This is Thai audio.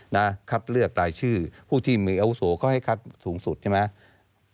นะคัดเลือกรายชื่อผู้ที่มีอาวุโสเขาให้คัดสูงสุดใช่ไหม